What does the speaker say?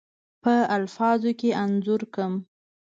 په الفاظو کې انځور کړم.